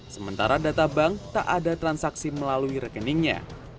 sementara data bank tak ada transaksi melalui rekeningnya